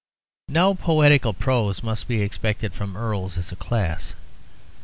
No poetical prose must be expected from Earls as a class.